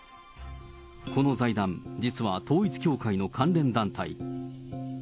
この財団、実は統一教会の関連団体。